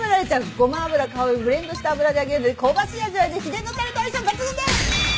ごま油香るブレンドした油で揚げるので香ばしい味わいで秘伝のたれと相性抜群です。